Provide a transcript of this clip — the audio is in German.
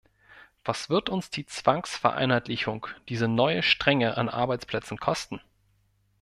Was wird uns die Zwangsvereinheitlichung, diese neue Strenge an Arbeitsplätzen kosten?